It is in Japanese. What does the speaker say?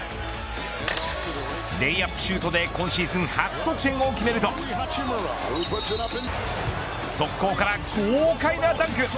レイアップシュートで今シーズン初得点を決めると速攻から豪快なダンク。